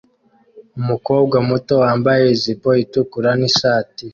Umukobwa muto wambaye ijipo itukura nishati